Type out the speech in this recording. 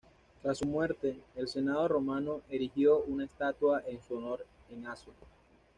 Tras su muerte, el senado romano erigió una estatua en su honor en Aso.